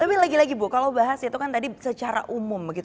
tapi lagi lagi bu kalau bahas itu kan tadi secara umum